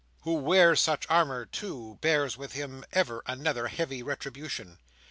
Who wears such armour, too, bears with him ever another heavy retribution.